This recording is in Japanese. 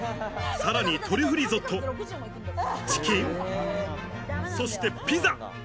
さらにトリュフリゾット、チキン、そしてピザ。